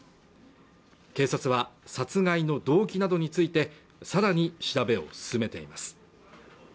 警察は殺害の動機などについてさらに調べを進めています